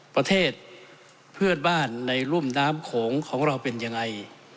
ประเทศเพื่อนบ้านในรุ่มน้ำโขงของเราเป็นยังไง